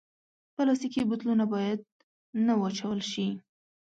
پلاستيکي بوتلونه باید نه واچول شي.